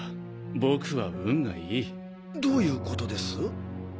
僕は運がいい。どういうことです？